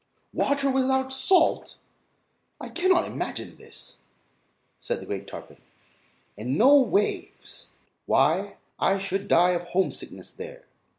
"Water without salt! I cannot imagine it," said the great tarpon. "And no waves! Why, I should die of homesickness there."